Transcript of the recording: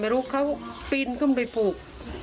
ไม่รู้ไหม้เค้าปิ๊นยิงออกไปปลูก